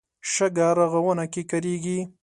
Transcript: شګه رغونه کې کارېږي.